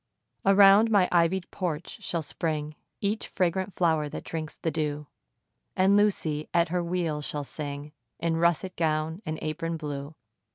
Around my ivy'd porch shall spring Each fragrant flower that drinks the dew; And Lucy, at her wheel, shall sing In russet gown and apron blue.